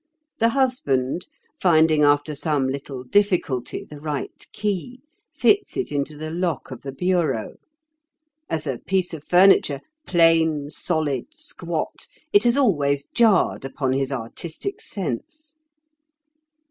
The husband finding after some little difficulty the right key, fits it into the lock of the bureau. As a piece of furniture, plain, solid, squat, it has always jarred upon his artistic sense.